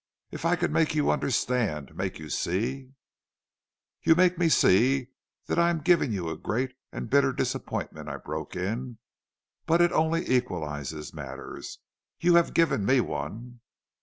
'If I could make you understand; make you see ' "'You make me see that I am giving you a great and bitter disappointment,' I broke in. 'But it only equalizes matters; you have given me one.'